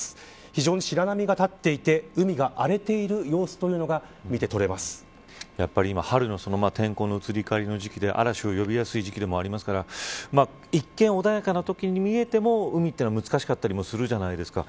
非常に白波が立っていて海が荒れている様子というのがやっぱり今は春の移り変わりの時期で嵐を呼びやすい時期でもありますから一見穏やかに見えても海って難しかったりするじゃないですか。